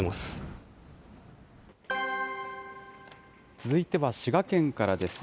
続いては滋賀県からです。